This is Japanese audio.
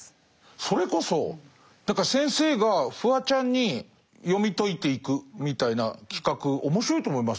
それこそ先生がフワちゃんに読み解いていくみたいな企画面白いと思いますよ。